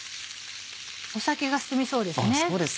酒が進みそうです。